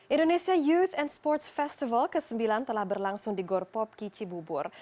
indonesia youth and sports festival ke sembilan telah berlangsung di gorpopki cibubur